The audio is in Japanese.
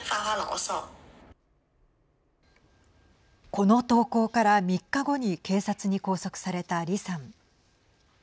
この投稿から３日後に警察に拘束された李さん。